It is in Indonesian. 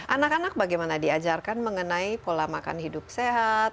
anak anak bagaimana diajarkan mengenai pola makan hidup sehat